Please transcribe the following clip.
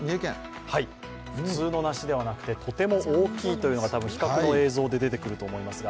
普通の梨ではなくて、とても大きいというのが、多分比較の映像で出てくると思います。